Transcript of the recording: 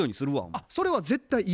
あっそれは絶対嫌。